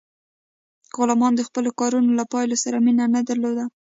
غلامانو د خپلو کارونو له پایلو سره مینه نه درلوده.